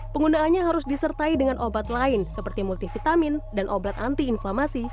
penggunaannya harus disertai dengan obat lain seperti multivitamin dan obat anti inflamasi